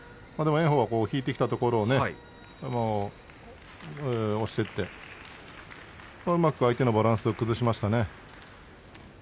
でも炎鵬は、引いてきたところを押していってうまく相手のバランスを崩しましたね。